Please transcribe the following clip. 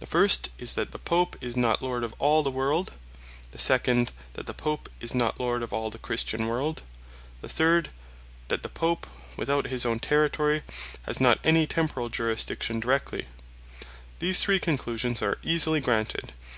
The first is, "That the Pope in not Lord of all the world:" the second, "that the Pope is not Lord of all the Christian world:" The third, "That the Pope (without his owne Territory) has not any Temporall Jurisdiction DIRECTLY:" These three Conclusions are easily granted.